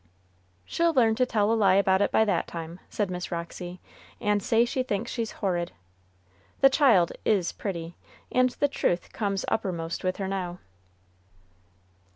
"She'll learn to tell a lie about it by that time," said Miss Roxy, "and say she thinks she's horrid. The child is pretty, and the truth comes uppermost with her now." "Haw!